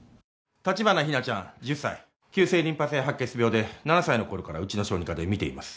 立花日菜ちゃん１０歳急性リンパ性白血病で７歳の頃からうちの小児科で診ています